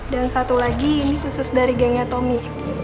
dan satu lagi ini khusus dari gengnya tomi